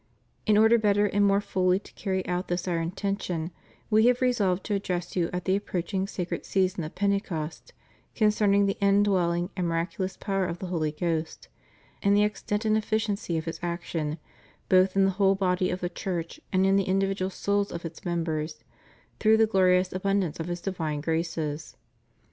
In order better and more fully to carry out this Our intention, We have resolved to address you at the approaching sacred season of Pentecost concerning the indwelling and mi raculous power of the Holy Ghost; and the extent and effi ciency of His action, both in the whole body of the Church and in the individual souls of its members, through the glorious abundance of His divine graces.